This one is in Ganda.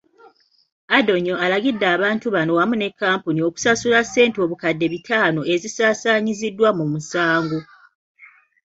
Adonyo alagidde abantu bano wamu ne kkampuni okusasula ssente obukadde bitaano ezisaasaanyiziddwa mu musango.